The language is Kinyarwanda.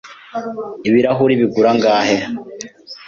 Ibirahuri bigura angahe?